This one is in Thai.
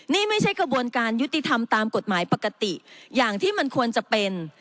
นี่ไม่ใช่กระบวนการยุติธรรมตามกฎหมายปกติอย่างที่มันควรจะเป็น